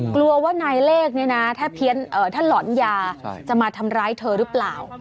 กลัวว่าไนล์เลกนะถ้าหลอนยาจะมาทำร้ายเธอรึเปล่า